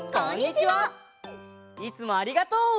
いつもありがとう！